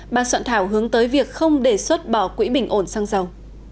ban soạn thảo hướng tới việc không đề xuất bỏ quỹ bình ổn xăng dầu